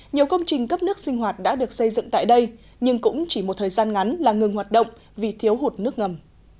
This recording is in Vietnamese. nhiều công trình cấp nước sinh hoạt đã được xây dựng tại đây nhưng cũng chỉ một thời gian ngắn là ngừng hoạt động vì thiếu hụt nước ngầm